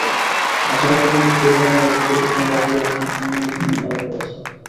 আসামিদের মধ্যে সোহেল রানা, রফিকুল ইসলাম, রাকিবুল হাসান, আমিনুল ইসলাম কারাগারে আছেন।